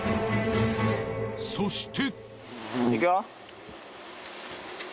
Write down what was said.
そして。